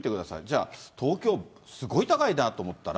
じゃあ、東京、すごい高いなと思ったら。